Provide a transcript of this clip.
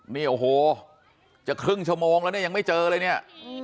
นี่โอ้โหจะครึ่งชั่วโมงแล้วเนี่ยยังไม่เจอเลยเนี่ย